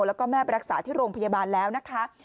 แล้วก็แม่ไปรักษาที่โรงพยาบาลแล้วนะคะ